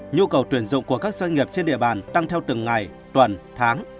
nhu cầu tuyển dụng của các doanh nghiệp trên địa bàn tăng theo từng ngày tuần tháng